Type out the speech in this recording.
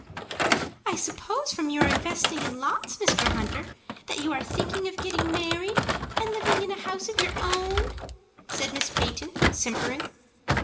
"I suppose, from your investing in lots, Mr. Hunter, that you are thinking of getting married, and living in a house of your own," said Miss Peyton, simpering.